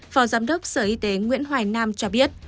phó giám đốc sở y tế nguyễn hoài nam cho biết